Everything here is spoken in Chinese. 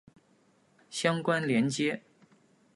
相关连结